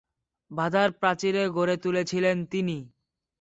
বাঁধার প্রাচীর গড়ে তুলেছিলেন তিনি।